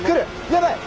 やばい。